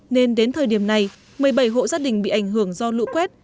nên đến thời điểm này một mươi bảy hộ gia đình bị ảnh hưởng do lũ quét